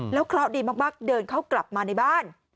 แล้วคลอสดีมากเดินเข้ากลับมาในบ้าน